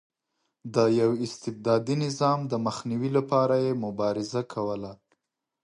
د یوه استبدادي نظام د مخنیوي لپاره یې مبارزه کوله.